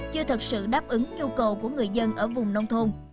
chưa thật sự đáp ứng nhu cầu của người dân ở vùng nông thôn